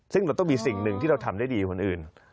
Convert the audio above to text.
ซึ่งเราต้องมีสิ่งหนึ่งที่เราทำได้ดีกว่าคนอื่น